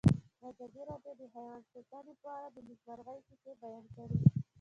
ازادي راډیو د حیوان ساتنه په اړه د نېکمرغۍ کیسې بیان کړې.